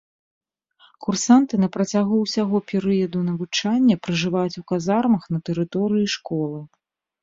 Курсанты на працягу ўсяго перыяду навучання пражываюць у казармах на тэрыторыі школы.